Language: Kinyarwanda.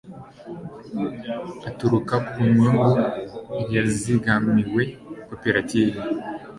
aturuka ku nyungu yazigamiwe koperative